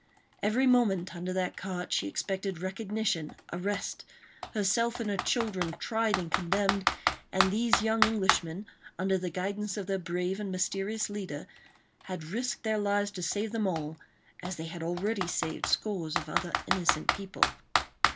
Every moment under that cart she expected recognition, arrest, herself and her children tried and condemned, and these young Englishmen, under the guidance of their brave and mysterious leader, had risked their lives to save them all, as they had already saved scores of other innocent people.